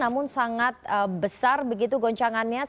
mengawasi ramai germans